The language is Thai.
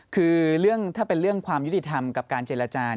คือเรื่องถ้าเป็นเรื่องความยุติธรรมกับการเจรจา